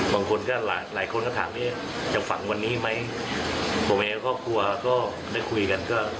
บางคนก็หลายหลายคนก็ถามเอ๊ะจะฝังวันนี้ไหมผมเองกับครอบครัวก็ได้คุยกันก็